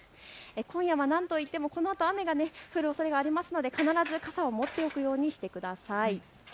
今夜はなんといってもこのあと雨が降るおそれがありますので必ず傘を持っておくようにしてください。